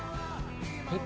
えっ？